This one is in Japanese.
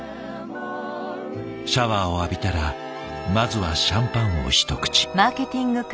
シャワーを浴びたらまずはシャンパンを一口。